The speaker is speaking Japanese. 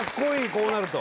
こうなると。